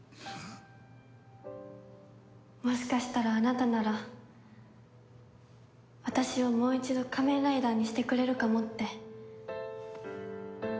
もしかしたらあなたなら私をもう一度仮面ライダーにしてくれるかもって。